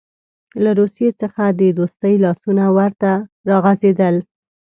له روسیې څخه د دوستۍ لاسونه ورته راغځېدل.